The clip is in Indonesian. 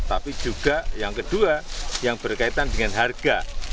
tapi juga yang kedua yang berkaitan dengan harga